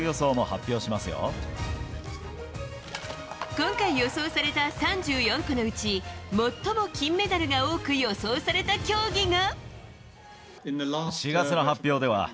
今回、予想された３４個のうち最も金メダルが多く予想された競技が。